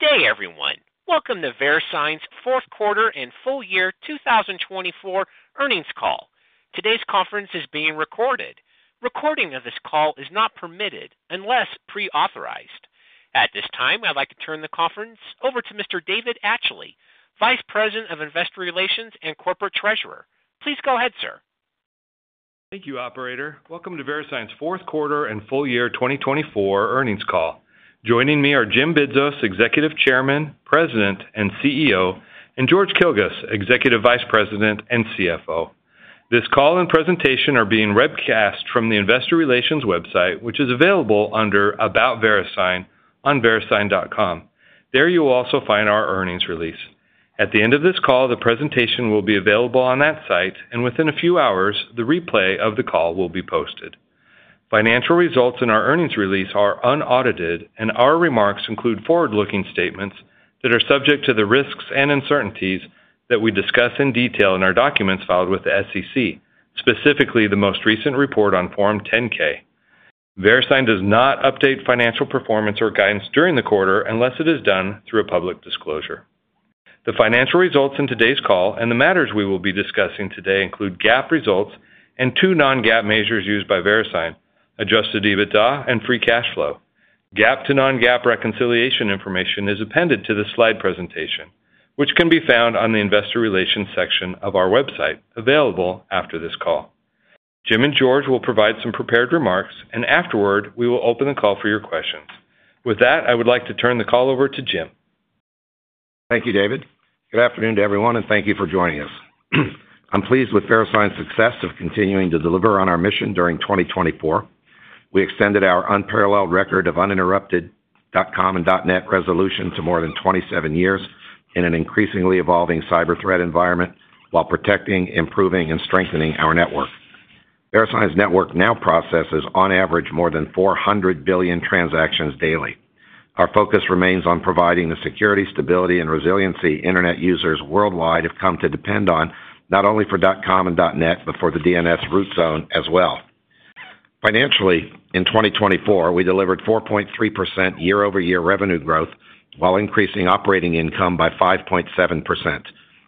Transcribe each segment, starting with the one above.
Good day, everyone. Welcome to Verisign's Fourth Quarter and Full Year 2024 Earnings Call. Today's conference is being recorded. Recording of this call is not permitted unless pre-authorized. At this time, I'd like to turn the conference over to Mr. David Atchley, Vice President of Investor Relations and Corporate Treasurer. Please go ahead, sir. Thank you, Operator. Welcome to Verisign's fourth quarter and full year 2024 earnings call. Joining me are Jim Bidzos, Executive Chairman, President, and CEO, and George Kilguss, Executive Vice President and CFO. This call and presentation are being webcast from the Investor Relations website, which is available under About Verisign on Verisign.com. There you will also find our earnings release. At the end of this call, the presentation will be available on that site, and within a few hours, the replay of the call will be posted. Financial results in our earnings release are unaudited, and our remarks include forward-looking statements that are subject to the risks and uncertainties that we discuss in detail in our documents filed with the SEC, specifically the most recent report on Form 10-K. Verisign does not update financial performance or guidance during the quarter unless it is done through a public disclosure. The financial results in today's call and the matters we will be discussing today include GAAP results and two non-GAAP measures used by Verisign, Adjusted EBITDA, and Free Cash Flow. GAAP to non-GAAP reconciliation information is appended to this slide presentation, which can be found on the Investor Relations section of our website, available after this call. Jim and George will provide some prepared remarks, and afterward, we will open the call for your questions. With that, I would like to turn the call over to Jim. Thank you, David. Good afternoon to everyone, and thank you for joining us. I'm pleased with Verisign's success of continuing to deliver on our mission during 2024. We extended our unparalleled record of uninterrupted .com and .net resolution to more than 27 years in an increasingly evolving cyber threat environment while protecting, improving, and strengthening our network. Verisign's network now processes, on average, more than 400 billion transactions daily. Our focus remains on providing the security, stability, and resiliency internet users worldwide have come to depend on not only for .com and .net, but for the DNS root zone as well. Financially, in 2024, we delivered 4.3% year-over-year revenue growth while increasing operating income by 5.7%.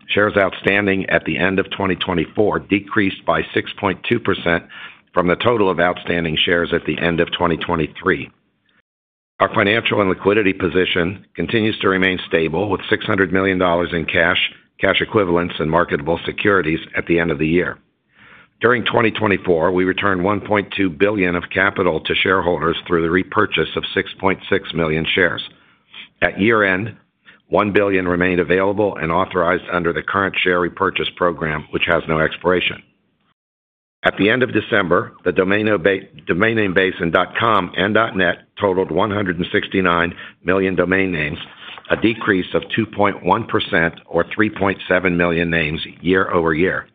Shares outstanding at the end of 2024 decreased by 6.2% from the total of outstanding shares at the end of 2023. Our financial and liquidity position continues to remain stable with $600 million in cash, cash equivalents, and marketable securities at the end of the year. During 2024, we returned $1.2 billion of capital to shareholders through the repurchase of 6.6 million shares. At year-end, $1 billion remained available and authorized under the current share repurchase program, which has no expiration. At the end of December, the domain name base in .com and .net totaled 169 million domain names, a decrease of 2.1% or 3.7 million names year-over-year.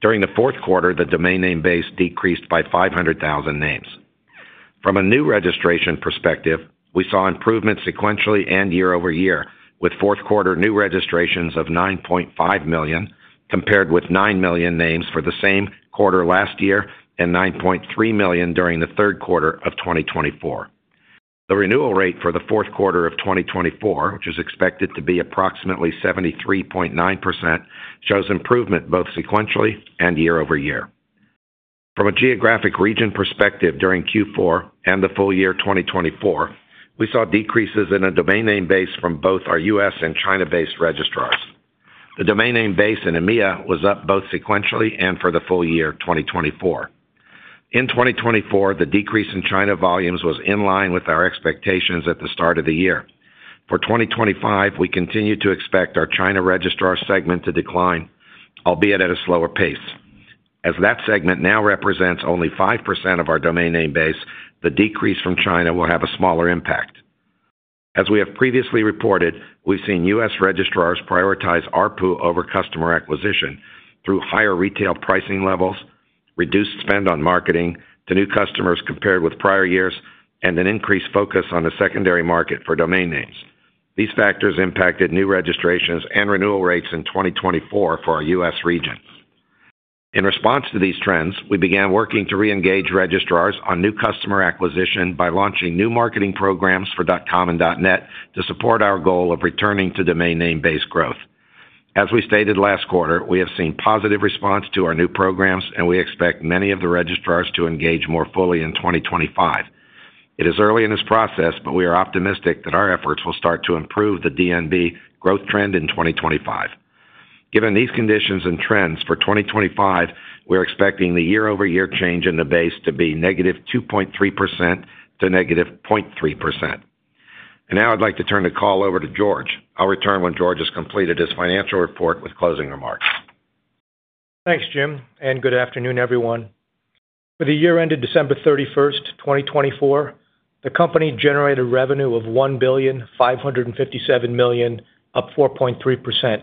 During the fourth quarter, the domain name base decreased by 500,000 names. From a new registration perspective, we saw improvement sequentially and year-over-year, with fourth quarter new registrations of 9.5 million compared with 9 million names for the same quarter last year and 9.3 million during the third quarter of 2024. The renewal rate for the fourth quarter of 2024, which is expected to be approximately 73.9%, shows improvement both sequentially and year-over-year. From a geographic region perspective during Q4 and the full year 2024, we saw decreases in a domain name base from both our U.S. and China-based registrars. The domain name base in EMEA was up both sequentially and for the full year 2024. In 2024, the decrease in China volumes was in line with our expectations at the start of the year. For 2025, we continue to expect our China registrar segment to decline, albeit at a slower pace. As that segment now represents only 5% of our domain name base, the decrease from China will have a smaller impact. As we have previously reported, we've seen U.S. registrars prioritize ARPU over customer acquisition through higher retail pricing levels, reduced spend on marketing to new customers compared with prior years, and an increased focus on the secondary market for domain names. These factors impacted new registrations and renewal rates in 2024 for our U.S. region. In response to these trends, we began working to re-engage registrars on new customer acquisition by launching new marketing programs for .com and .net to support our goal of returning to domain name base growth. As we stated last quarter, we have seen positive response to our new programs, and we expect many of the registrars to engage more fully in 2025. It is early in this process, but we are optimistic that our efforts will start to improve the DNB growth trend in 2025. Given these conditions and trends for 2025, we are expecting the year-over-year change in the base to be negative 2.3% to negative 0.3%. And now I'd like to turn the call over to George. I'll return when George has completed his financial report with closing remarks. Thanks, Jim. And good afternoon, everyone. With the year ended December 31st, 2024, the company generated revenue of $1,557 million, up 4.3%.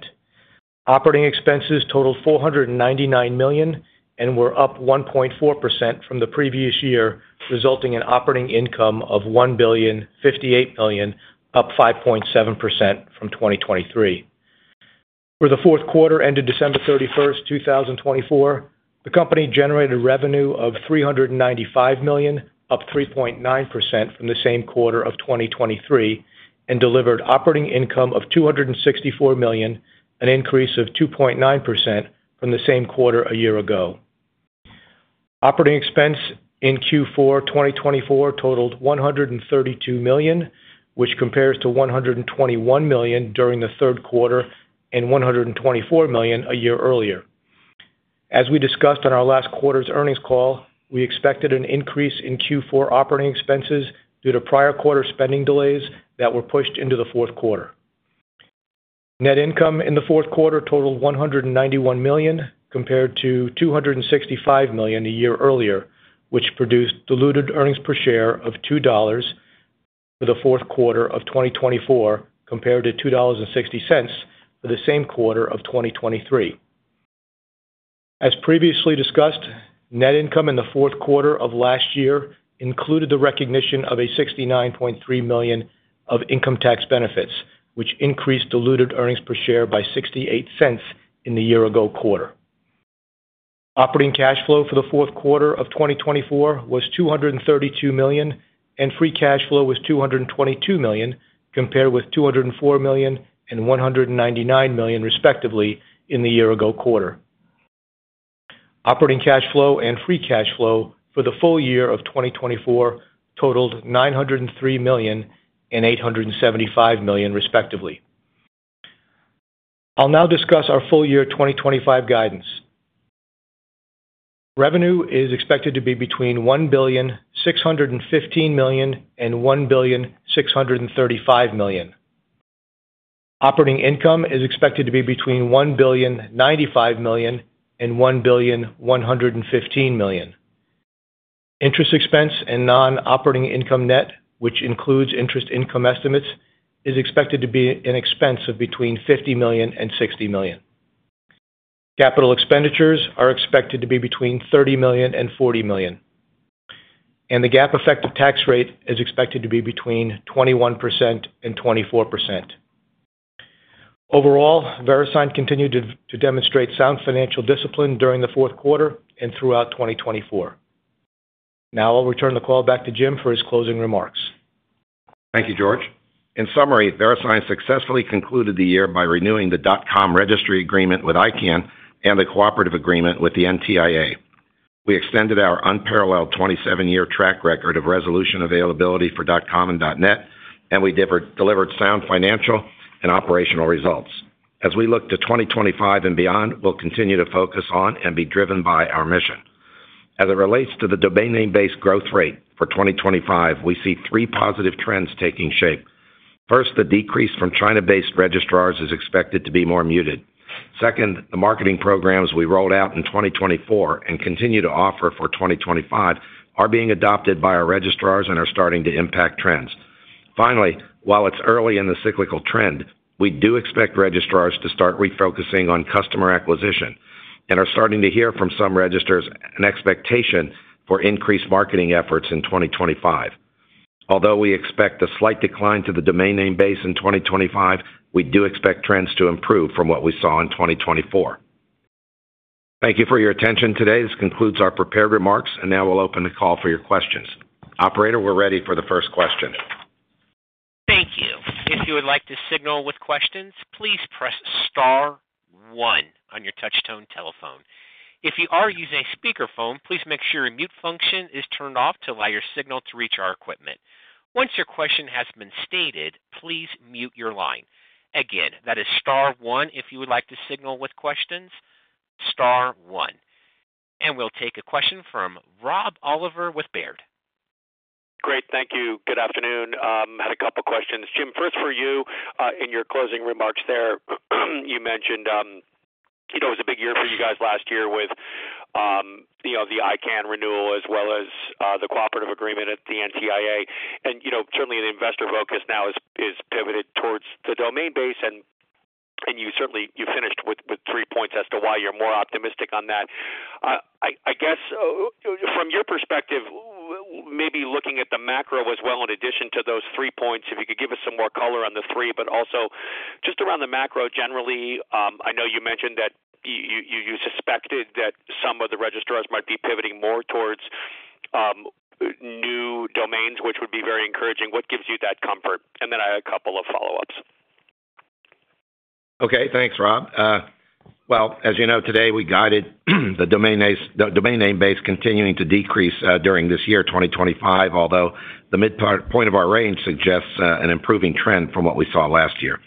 Operating expenses totaled $499 million and were up 1.4% from the previous year, resulting in operating income of $1,058 million, up 5.7% from 2023. For the fourth quarter ended December 31st, 2024, the company generated revenue of $395 million, up 3.9% from the same quarter of 2023, and delivered operating income of $264 million, an increase of 2.9% from the same quarter a year ago. Operating expenses in Q4 2024 totaled $132 million, which compares to $121 million during the third quarter and $124 million a year earlier. As we discussed on our last quarter's earnings call, we expected an increase in Q4 operating expenses due to prior quarter spending delays that were pushed into the fourth quarter. Net income in the fourth quarter totaled $191 million compared to $265 million a year earlier, which produced diluted earnings per share of $2 for the fourth quarter of 2024 compared to $2.60 for the same quarter of 2023. As previously discussed, net income in the fourth quarter of last year included the recognition of a $69.3 million of income tax benefits, which increased diluted earnings per share by $0.68 in the year-ago quarter. Operating cash flow for the fourth quarter of 2024 was $232 million, and free cash flow was $222 million compared with $204 million and $199 million, respectively, in the year-ago quarter. Operating cash flow and free cash flow for the full year of 2024 totaled $903 million and $875 million, respectively. I'll now discuss our full year 2025 guidance. Revenue is expected to be between $1,615 million and $1,635 million. Operating income is expected to be between $1,095 million and $1,115 million. Interest expense and non-operating income net, which includes interest income estimates, is expected to be an expense of between $50 million and $60 million. Capital expenditures are expected to be between $30 million and $40 million. The GAAP effective tax rate is expected to be between 21% and 24%. Overall, Verisign continued to demonstrate sound financial discipline during the fourth quarter and throughout 2024. Now I'll return the call back to Jim for his closing remarks. Thank you, George. In summary, Verisign successfully concluded the year by renewing the .com registry agreement with ICANN and the cooperative agreement with the NTIA. We extended our unparalleled 27-year track record of resolution availability for .com and .net, and we delivered sound financial and operational results. As we look to 2025 and beyond, we'll continue to focus on and be driven by our mission. As it relates to the domain name base growth rate for 2025, we see three positive trends taking shape. First, the decrease from China-based registrars is expected to be more muted. Second, the marketing programs we rolled out in 2024 and continue to offer for 2025 are being adopted by our registrars and are starting to impact trends. Finally, while it's early in the cyclical trend, we do expect registrars to start refocusing on customer acquisition and are starting to hear from some registrars an expectation for increased marketing efforts in 2025. Although we expect a slight decline to the domain name base in 2025, we do expect trends to improve from what we saw in 2024. Thank you for your attention today. This concludes our prepared remarks, and now we'll open the call for your questions. Operator, we're ready for the first question. Thank you. If you would like to signal with questions, please press star one on your touchtone telephone. If you are using a speakerphone, please make sure your mute function is turned off to allow your signal to reach our equipment. Once your question has been stated, please mute your line. Again, that is star one if you would like to signal with questions, star one, and we'll take a question from Rob Oliver with Baird. Great. Thank you. Good afternoon. I had a couple of questions. Jim, first for you in your closing remarks there, you mentioned it was a big year for you guys last year with the ICANN renewal as well as the cooperative agreement at the NTIA. And certainly, the investor focus now is pivoted towards the domain base. And you finished with three points as to why you're more optimistic on that. I guess from your perspective, maybe looking at the macro as well, in addition to those three points, if you could give us some more color on the three, but also just around the macro generally. I know you mentioned that you suspected that some of the registrars might be pivoting more towards new domains, which would be very encouraging. What gives you that comfort? And then I had a couple of follow-ups. Okay. Thanks, Rob. Well, as you know, today we guided the domain name base continuing to decrease during this year, 2025, although the midpoint of our range suggests an improving trend from what we saw last year.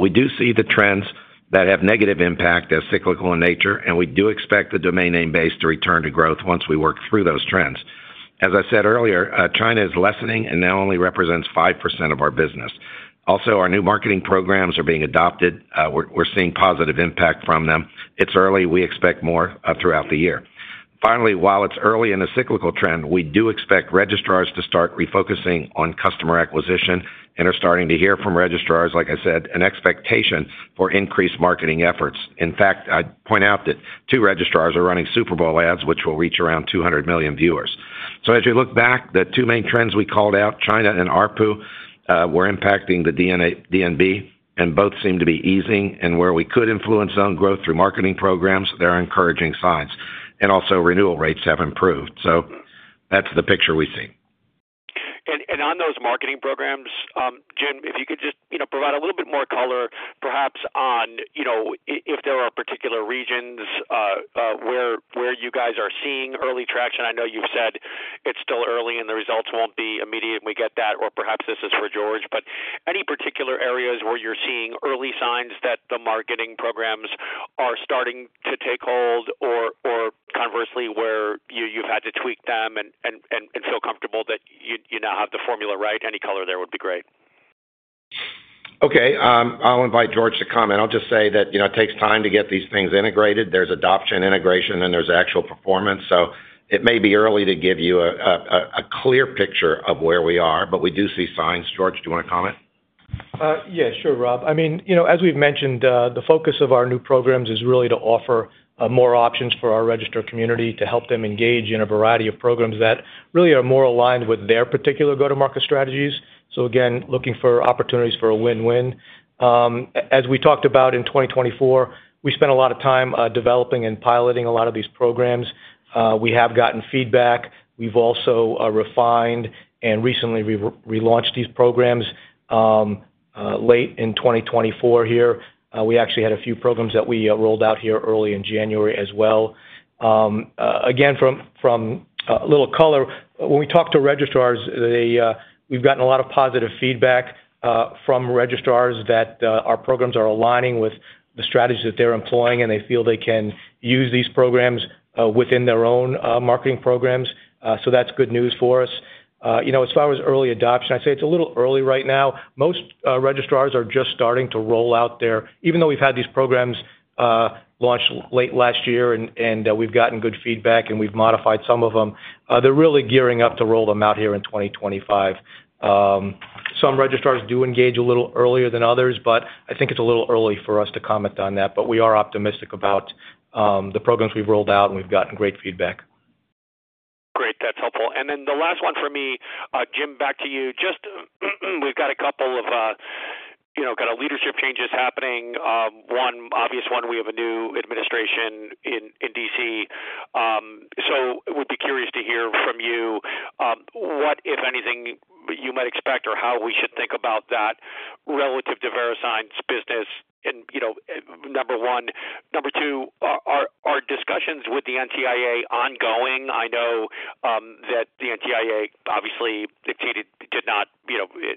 We do see the trends that have negative impact as cyclical in nature, and we do expect the domain name base to return to growth once we work through those trends. As I said earlier, China is lessening and now only represents 5% of our business. Also, our new marketing programs are being adopted. We're seeing positive impact from them. It's early. We expect more throughout the year. Finally, while it's early in a cyclical trend, we do expect registrars to start refocusing on customer acquisition and are starting to hear from registrars, like I said, an expectation for increased marketing efforts. In fact, I'd point out that two registrars are running Super Bowl ads, which will reach around 200 million viewers. So as you look back, the two main trends we called out, China and ARPU, were impacting the DNB, and both seem to be easing. And where we could influence own growth through marketing programs, there are encouraging signs. And also, renewal rates have improved. So that's the picture we see. On those marketing programs, Jim, if you could just provide a little bit more color, perhaps on if there are particular regions where you guys are seeing early traction. I know you've said it's still early and the results won't be immediate. We get that. Or perhaps this is for George. But any particular areas where you're seeing early signs that the marketing programs are starting to take hold or conversely where you've had to tweak them and feel comfortable that you now have the formula right? Any color there would be great. Okay. I'll invite George to comment. I'll just say that it takes time to get these things integrated. There's adoption integration, and there's actual performance. So it may be early to give you a clear picture of where we are, but we do see signs. George, do you want to comment? Yeah, sure, Rob. I mean, as we've mentioned, the focus of our new programs is really to offer more options for our registrar community to help them engage in a variety of programs that really are more aligned with their particular go-to-market strategies. So again, looking for opportunities for a win-win. As we talked about in 2024, we spent a lot of time developing and piloting a lot of these programs. We have gotten feedback. We've also refined and recently relaunched these programs late in 2024 here. We actually had a few programs that we rolled out here early in January as well. Again, from a little color, when we talk to registrars, we've gotten a lot of positive feedback from registrars that our programs are aligning with the strategies that they're employing, and they feel they can use these programs within their own marketing programs. So that's good news for us. As far as early adoption, I'd say it's a little early right now. Most registrars are just starting to roll out their, even though we've had these programs launched late last year and we've gotten good feedback and we've modified some of them, they're really gearing up to roll them out here in 2025. Some registrars do engage a little earlier than others, but I think it's a little early for us to comment on that. But we are optimistic about the programs we've rolled out, and we've gotten great feedback. Great. That's helpful. And then the last one for me, Jim, back to you. Just, we've got a couple of kind of leadership changes happening. One obvious one, we have a new administration in DC. So we'd be curious to hear from you what, if anything, you might expect or how we should think about that relative to Verisign's business. And number one. Number two, are discussions with the NTIA ongoing? I know that the NTIA obviously did not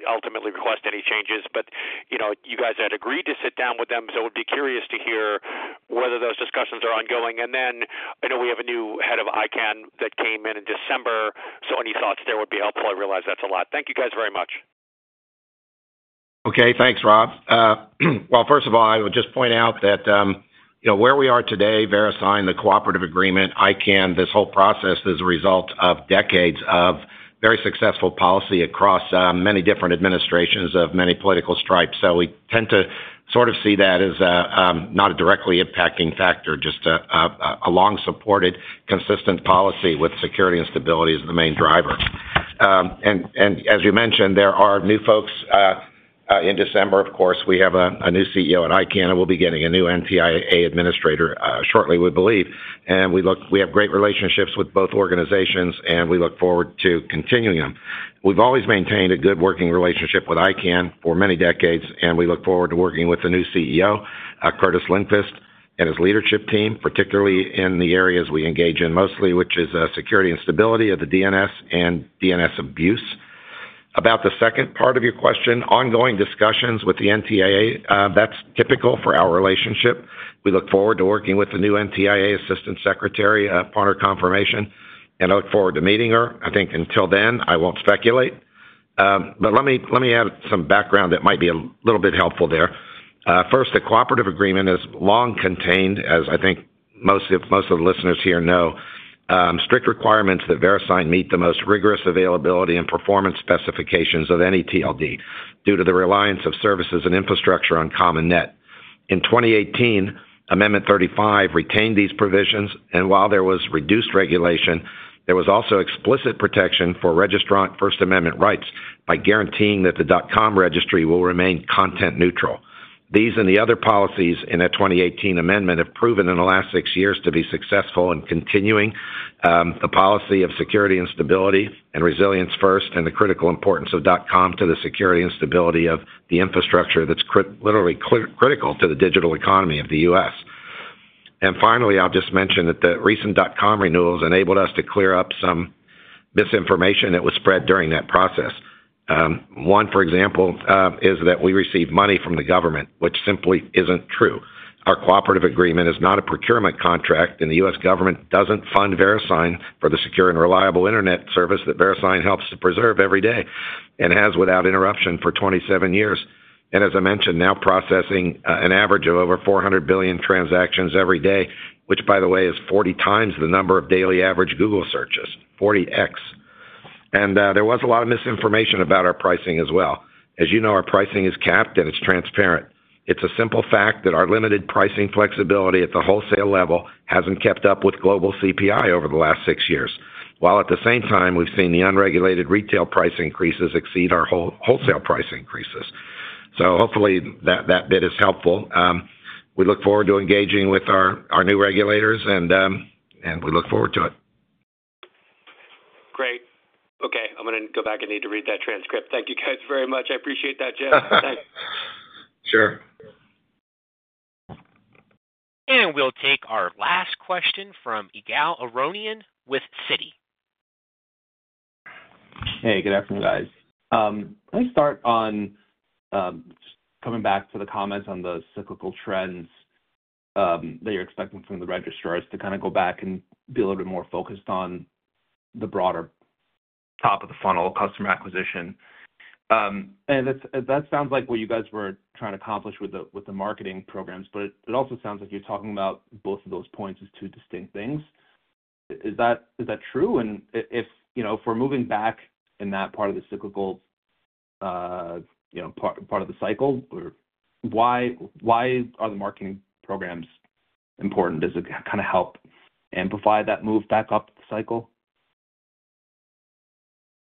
ultimately request any changes, but you guys had agreed to sit down with them. So we'd be curious to hear whether those discussions are ongoing. And then I know we have a new head of ICANN that came in in December. So any thoughts there would be helpful. I realize that's a lot. Thank you guys very much. Okay. Thanks, Rob. First of all, I would just point out that where we are today, Verisign, the cooperative agreement, ICANN, this whole process is a result of decades of very successful policy across many different administrations of many political stripes. So we tend to sort of see that as not a directly impacting factor, just a long-supported, consistent policy with security and stability as the main driver. And as you mentioned, there are new folks. In December, of course, we have a new CEO at ICANN and we'll be getting a new NTIA administrator shortly, we believe. And we have great relationships with both organizations, and we look forward to continuing them. We've always maintained a good working relationship with ICANN for many decades, and we look forward to working with the new CEO, Kurtis Lindqvist, and his leadership team, particularly in the areas we engage in mostly, which is security and stability of the DNS and DNS abuse. About the second part of your question, ongoing discussions with the NTIA, that's typical for our relationship. We look forward to working with the new NTIA Assistant Secretary upon her confirmation, and I look forward to meeting her. I think until then, I won't speculate. But let me add some background that might be a little bit helpful there. First, the Cooperative Agreement has long contained, as I think most of the listeners here know, strict requirements that Verisign meet the most rigorous availability and performance specifications of any TLD due to the reliance of services and infrastructure on .com and .net. In 2018, Amendment 35 retained these provisions, and while there was reduced regulation, there was also explicit protection for registrant First Amendment rights by guaranteeing that the .com registry will remain content neutral. These and the other policies in a 2018 amendment have proven in the last six years to be successful in continuing the policy of security and stability and resilience first and the critical importance of .com to the security and stability of the infrastructure that's literally critical to the digital economy of the U.S. And finally, I'll just mention that the recent .com renewals enabled us to clear up some misinformation that was spread during that process. One, for example, is that we received money from the government, which simply isn't true. Our cooperative agreement is not a procurement contract, and the U.S. government doesn't fund Verisign for the secure and reliable internet service that Verisign helps to preserve every day and has without interruption for 27 years, and as I mentioned, now processing an average of over 400 billion transactions every day, which, by the way, is 40 times the number of daily average Google searches, 40x, and there was a lot of misinformation about our pricing as well. As you know, our pricing is capped and it's transparent. It's a simple fact that our limited pricing flexibility at the wholesale level hasn't kept up with global CPI over the last six years, while at the same time, we've seen the unregulated retail price increases exceed our wholesale price increases, so hopefully that bit is helpful. We look forward to engaging with our new regulators, and we look forward to it. Great. Okay. I'm going to go back and need to read that transcript. Thank you guys very much. I appreciate that, Jim. Thanks. Sure. We'll take our last question from Yigal Arounian with Citi. Hey, good afternoon, guys. Let me start on just coming back to the comments on the cyclical trends that you're expecting from the registrars to kind of go back and be a little bit more focused on the broader top of the funnel customer acquisition, and that sounds like what you guys were trying to accomplish with the marketing programs, but it also sounds like you're talking about both of those points as two distinct things. Is that true, and if we're moving back in that part of the cyclical part of the cycle, why are the marketing programs important? Does it kind of help amplify that move back up the cycle?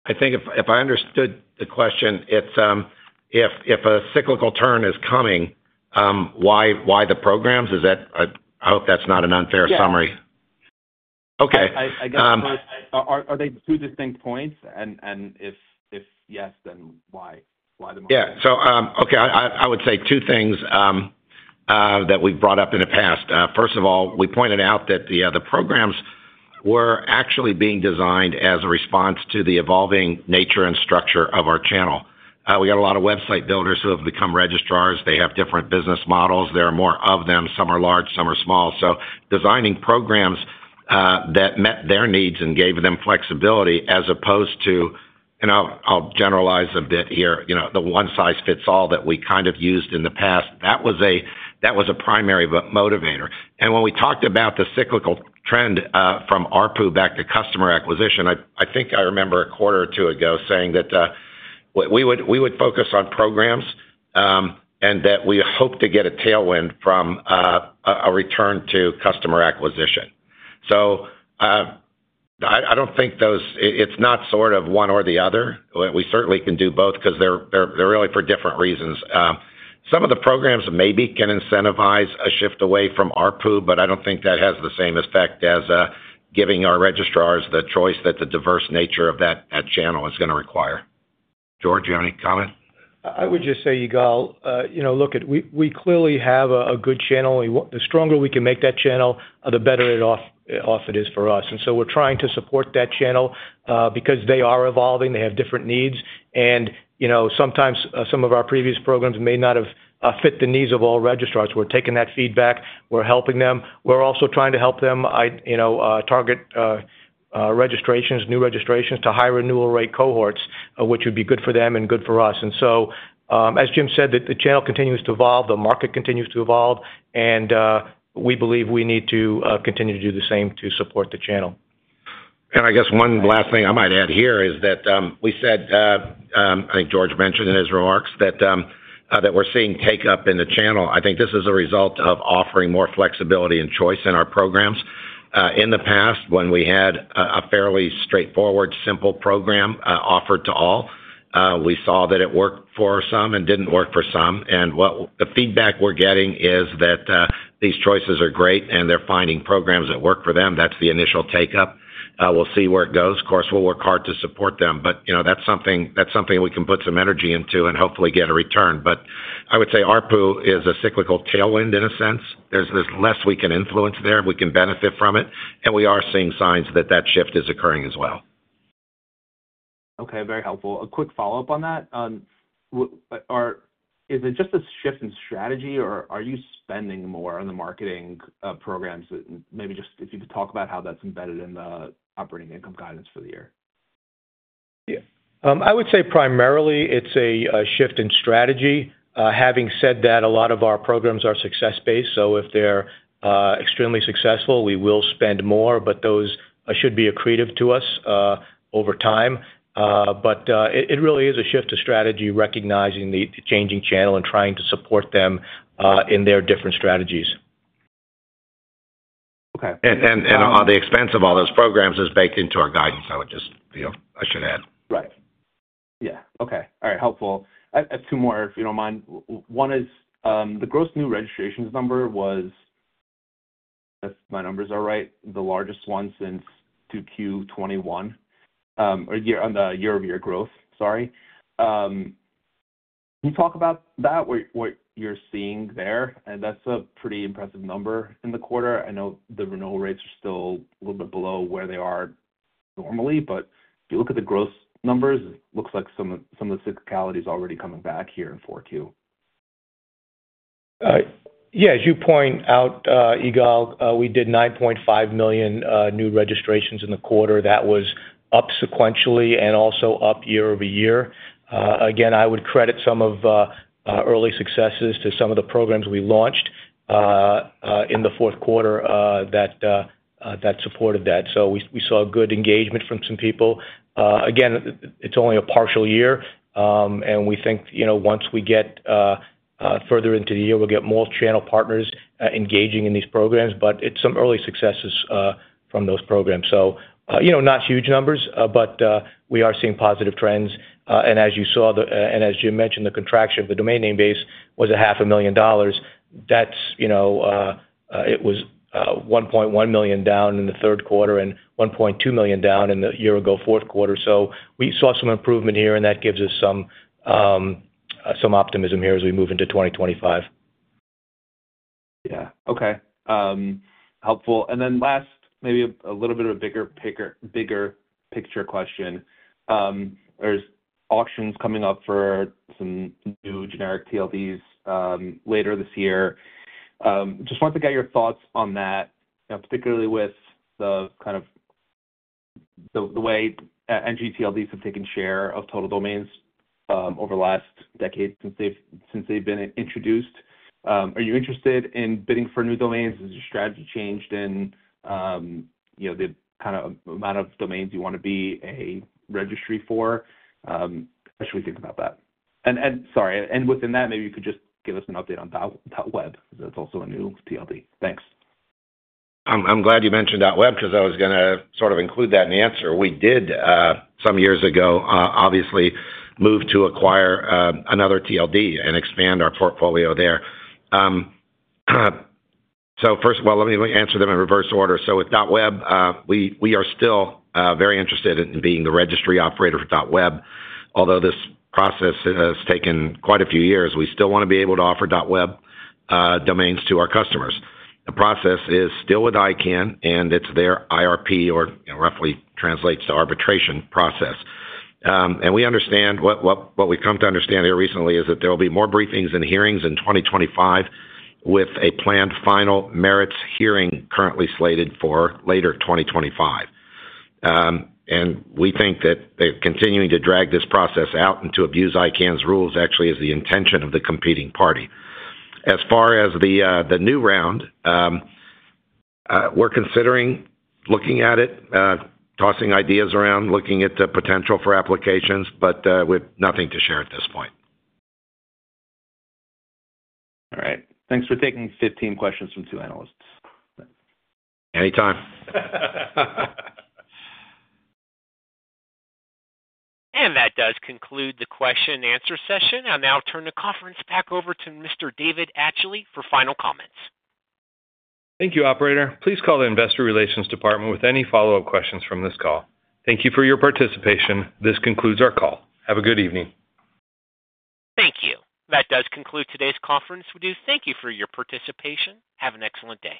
I think if I understood the question, if a cyclical turn is coming, why the programs? I hope that's not an unfair summary. Okay. I guess, are they two distinct points? And if yes, then why? Why the marketing? Yeah. So okay, I would say two things that we've brought up in the past. First of all, we pointed out that the programs were actually being designed as a response to the evolving nature and structure of our channel. We got a lot of website builders who have become registrars. They have different business models. There are more of them. Some are large, some are small. So designing programs that met their needs and gave them flexibility as opposed to, and I'll generalize a bit here, the one-size-fits-all that we kind of used in the past, that was a primary motivator, and when we talked about the cyclical trend from ARPU back to customer acquisition, I think I remember a quarter or two ago saying that we would focus on programs and that we hope to get a tailwind from a return to customer acquisition. So, I don't think it's not sort of one or the other. We certainly can do both because they're really for different reasons. Some of the programs maybe can incentivize a shift away from ARPU, but I don't think that has the same effect as giving our registrars the choice that the diverse nature of that channel is going to require. George, do you have any comment? I would just say, Yigal, look, we clearly have a good channel. The stronger we can make that channel, the better off it is for us. And so we're trying to support that channel because they are evolving. They have different needs. And sometimes some of our previous programs may not have fit the needs of all registrars. We're taking that feedback. We're helping them. We're also trying to help them target new registrations to high renewal rate cohorts, which would be good for them and good for us. And so, as Jim said, the channel continues to evolve. The market continues to evolve. And we believe we need to continue to do the same to support the channel. I guess one last thing I might add here is that we said, I think George mentioned in his remarks, that we're seeing take-up in the channel. I think this is a result of offering more flexibility and choice in our programs. In the past, when we had a fairly straightforward, simple program offered to all, we saw that it worked for some and didn't work for some. The feedback we're getting is that these choices are great and they're finding programs that work for them. That's the initial take-up. We'll see where it goes. Of course, we'll work hard to support them, but that's something we can put some energy into and hopefully get a return. I would say ARPU is a cyclical tailwind in a sense. There's less we can influence there. We can benefit from it. We are seeing signs that that shift is occurring as well. Okay. Very helpful. A quick follow-up on that. Is it just a shift in strategy, or are you spending more on the marketing programs? Maybe just if you could talk about how that's embedded in the operating income guidance for the year? Yeah. I would say primarily it's a shift in strategy. Having said that, a lot of our programs are success-based. So if they're extremely successful, we will spend more, but those should be accretive to us over time. But it really is a shift to strategy, recognizing the changing channel and trying to support them in their different strategies. Okay. And on the expense of all those programs is baked into our guidance. I would just feel I should add. Right. Yeah. Okay. All right. Helpful. I have two more, if you don't mind. One is the gross new registrations number was, if my numbers are right, the largest one since Q2 2021 or on the year-over-year growth. Sorry. Can you talk about that, what you're seeing there? And that's a pretty impressive number in the quarter. I know the renewal rates are still a little bit below where they are normally, but if you look at the gross numbers, it looks like some of the cyclicality is already coming back here in Q4. Yeah. As you point out, Yigal, we did 9.5 million new registrations in the quarter. That was up sequentially and also up year over year. Again, I would credit some of the early successes to some of the programs we launched in the fourth quarter that supported that. So we saw good engagement from some people. Again, it's only a partial year, and we think once we get further into the year, we'll get more channel partners engaging in these programs, but it's some early successes from those programs. So not huge numbers, but we are seeing positive trends. And as you saw, and as Jim mentioned, the contraction of the domain name base was 500,000. It was 1.1 million down in the third quarter and 1.2 million down in the year-ago fourth quarter. So we saw some improvement here, and that gives us some optimism here as we move into 2025. Yeah. Okay. Helpful. And then last, maybe a little bit of a bigger picture question. There's auctions coming up for some new generic TLDs later this year. Just wanted to get your thoughts on that, particularly with the kind of the way new gTLDs have taken share of total domains over the last decade since they've been introduced. Are you interested in bidding for new domains? Has your strategy changed in the kind of amount of domains you want to be a registry for? As we think about that. And sorry. And within that, maybe you could just give us an update on .web because that's also a new TLD. Thanks. I'm glad you mentioned .web because I was going to sort of include that in the answer. We did, some years ago, obviously move to acquire another TLD and expand our portfolio there. So first of all, let me answer them in reverse order. So with .web, we are still very interested in being the registry operator for .web. Although this process has taken quite a few years, we still want to be able to offer .web domains to our customers. The process is still with ICANN, and it's their IRP, or roughly translates to arbitration process. And we understand what we've come to understand here recently is that there will be more briefings and hearings in 2025 with a planned final merits hearing currently slated for later 2025. We think that continuing to drag this process out and to abuse ICANN's rules actually is the intention of the competing party. As far as the new round, we're considering looking at it, tossing ideas around, looking at the potential for applications, but we have nothing to share at this point. All right. Thanks for taking 15 questions from two analysts. Anytime. That does conclude the question-answer session. I'll now turn the conference back over to Mr. David Atchley for final comments. Thank you, Operator. Please call the Investor Relations Department with any follow-up questions from this call. Thank you for your participation. This concludes our call. Have a good evening. Thank you. That does conclude today's conference. We do thank you for your participation. Have an excellent day.